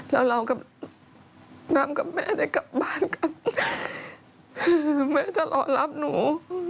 แล้วเรากับน้ำกับแม่ได้กลับบ้านกันแม่จะรอรับหนู